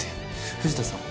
藤田さんは？